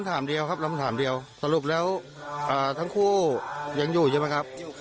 อย่างนี้หลวงพี่คำถามเดียวครับสรุปแล้วทั้งคู่ยังอยู่ใช่ไหมครับ